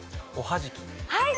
はい！